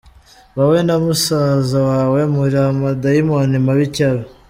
Wowe na Musaza wawe muri ama dayimoni mabi cyabe.